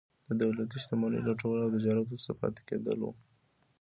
د دولتي شتمنیو لوټول او د تجارت وروسته پاتې کېدل وو.